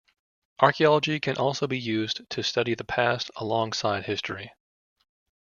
Archaeology can also be used to study the past alongside history.